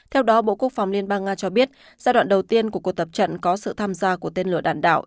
theo đó bộ quốc phòng liên bang nga cho biết giai đoạn đầu tiên của cuộc tập trận có sự tham gia của tên lửa đạn đạo